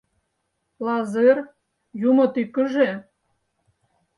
— Лазыр, юмо тӱкыжӧ!